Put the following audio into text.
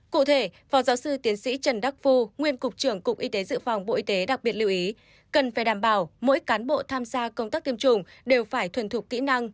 cụ thể phó giáo sư tiến sĩ trần đắc phu nguyên cục trưởng cục y tế dự phòng bộ y tế đặc biệt lưu ý cần phải đảm bảo mỗi cán bộ tham gia công tác tiêm chủng đều phải thuần thục kỹ năng